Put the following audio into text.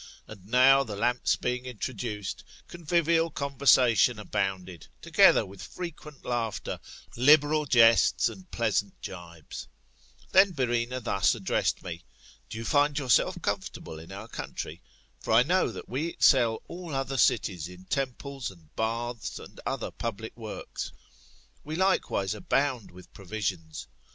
And now, the lamps being introduced, convivial conversation abounded, together with frequent laughter, liberal jests, and pleasant gibes. Then Byrrhsena thus addressed me : Do you find yourself comfort able in our country? For I know that we excel all other cities in temples, and baths, and other public works. We likewise abound with provisions.